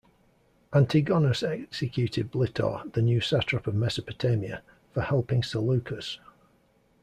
Antigonus executed Blitor, the new satrap of Mesopotamia, for helping Seleucus.